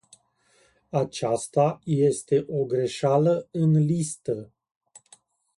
Aceasta este o greșeală în listă.